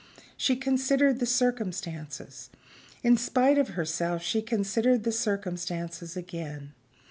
She considered the circumstances. In spite of herself, she considered the circumstances again.